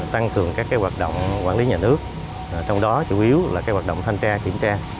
tăng cường các hoạt động quản lý nhà nước trong đó chủ yếu là hoạt động thanh tra kiểm tra